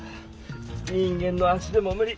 人間の足でもむ理。